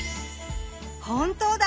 本当だ。